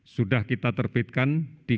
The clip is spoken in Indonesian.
sudah kita terbitkan di